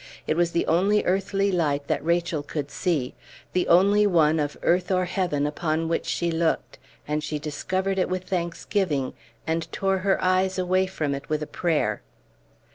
It was the only earthly light that Rachel could see, the only one of earth or heaven upon which she looked; and she discovered it with thanksgiving, and tore her eyes away from it with a prayer.